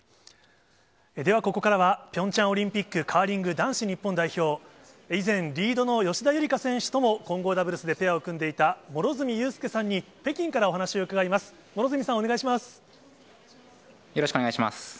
ではここからは、ピョンチャンオリンピックカーリング男子日本代表、以前、リードの吉田夕梨花選手とも混合ダブルスでペアを組んでいた、両角友佑さんに、北京からお話を伺います。